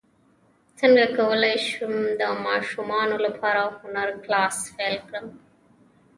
څنګه کولی شم د ماشومانو لپاره د هنر کلاس پیل کړم